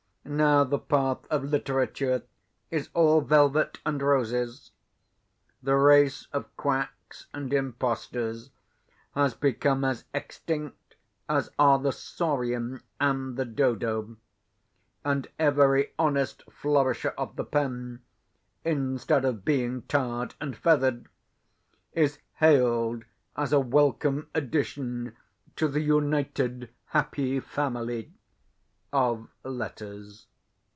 Now, the path of literature is all velvet and roses. The race of quacks and impostors has become as extinct, as are the saurian and the dodo; and every honest flourisher of the pen, instead of being tarred and feathered, is hailed as a welcome addition to "the united happy family" of letters.